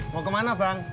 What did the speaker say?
mau kemana bang